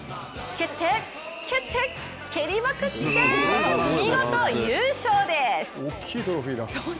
蹴って蹴って蹴りまくって見事優勝です。